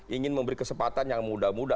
ingin memberi kesempatan yang muda muda